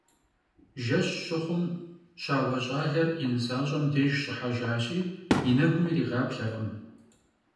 Jjeş şıxhum, şaue ş'aler yi nısaş'em dêjj ş'ıhejjaşi yi negum yiriğaplherkhım.